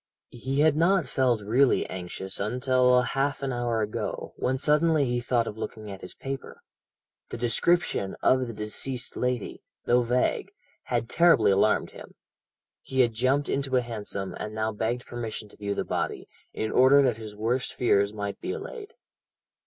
"He had not felt really anxious until half an hour ago, when suddenly he thought of looking at his paper. The description of the deceased lady, though vague, had terribly alarmed him. He had jumped into a hansom, and now begged permission to view the body, in order that his worst fears might be allayed.